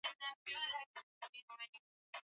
Wazee wameenda